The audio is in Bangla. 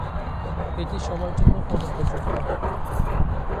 এটি সবার জন্য অনুপযুক্ত।